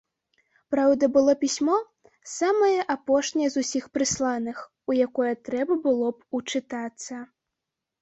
Праўда, было пісьмо, самае апошняе з усіх прысланых, у якое трэба было б учытацца.